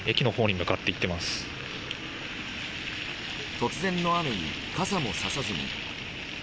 突然の雨に傘もささずに。